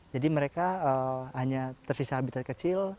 jadi mereka hanya tersisa habitat kecil